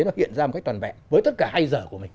nó hiện ra một cách toàn vẹn với tất cả hai dở của mình